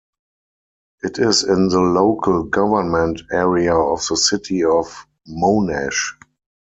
It is in the local government area of the City of Monash.